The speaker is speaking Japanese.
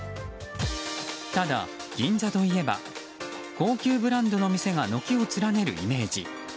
ただ、銀座といえば高級ブランドの店が軒を連ねるイメージ。